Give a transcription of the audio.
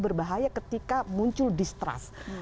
berbahaya ketika muncul distrust